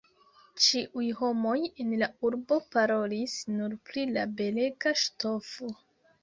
Ĉiuj homoj en la urbo parolis nur pri la belega ŝtofo.